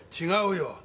違うよ！